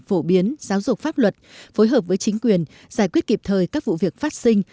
phổ biến giáo dục pháp luật phối hợp với chính quyền giải quyết kịp thời các vụ việc phát sinh